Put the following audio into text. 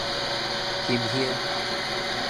襟胸